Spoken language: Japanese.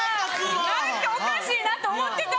何かおかしいなと思ってた。